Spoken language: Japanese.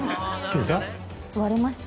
割れました。